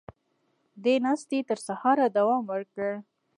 دې ناستې تر سهاره دوام وکړ.